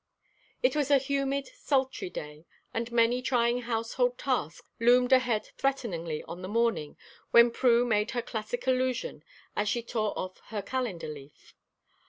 It was a humid, sultry day, and many trying household tasks loomed ahead threateningly on the morning when Prue made her classic allusion as she tore off her calendar leaf.